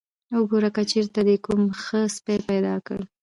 وګوره که چېرته دې کوم ښه سپی پیدا کړ.